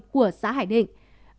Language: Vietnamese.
của xã hải định